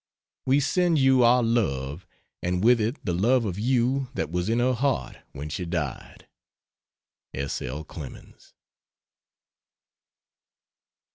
We send you our love and with it the love of you that was in her heart when she died. S. L. CLEMENS.